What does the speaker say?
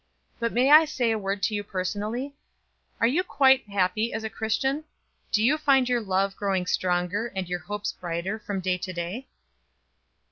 But may I say a word to you personally? Are you quite happy as a Christian? Do you find your love growing stronger and your hopes brighter from day to day?"